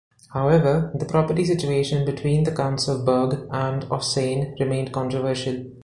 However, the property situation between the counts of Berg and of Sayn remained controversial.